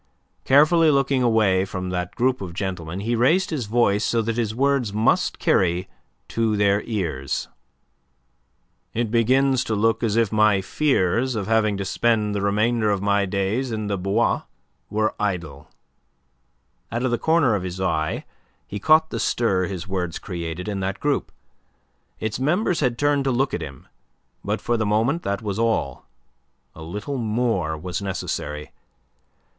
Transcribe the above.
Carefully looking away from that group of gentlemen, he raised his voice so that his words must carry to their ears. "It begins to look as if my fears of having to spend the remainder of my days in the Bois were idle." Out of the corner of his eye he caught the stir his words created in that group. Its members had turned to look at him; but for the moment that was all. A little more was necessary.